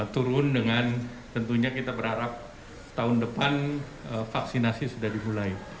turun dengan tentunya kita berharap tahun depan vaksinasi sudah dimulai